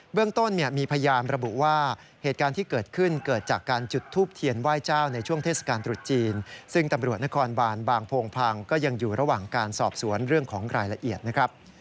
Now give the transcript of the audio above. เรื่องต้นเนี่ยมีพยานระบุว่าเหตุการณ์ที่เกิดขึ้นเกิดจากการจุดทูบเทียนไหว้เจ้าในช่วงเทศกาลตรุษจีนซึ่งตำรวจนครบานบางโพงพังก็ยังอยู่ระหว่างการสอบสวนเรื่องของรายละเอียดนะครับ